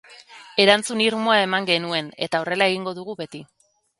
Erantzun irmoa eman genuen, eta horrela egingo dugu beti.